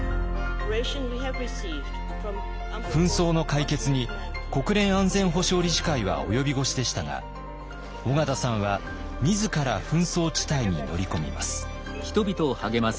紛争の解決に国連安全保障理事会は及び腰でしたが緒方さんは自ら紛争地帯に乗り込みます。